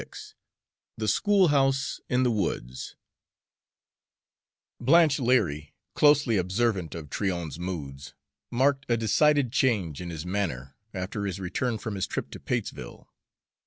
XXVI THE SCHOOLHOUSE IN THE WOODS Blanche Leary, closely observant of Tryon's moods, marked a decided change in his manner after his return from his trip to Patesville.